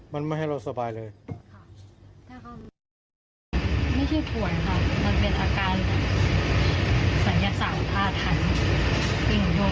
มันไม่ให้เราสบายเลย